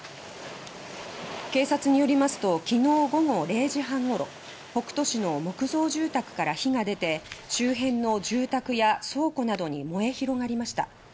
警察によりますときのう午後０時半ごろ北杜市の木造住宅から火が出て周辺の住宅や倉庫などに燃え広がりました。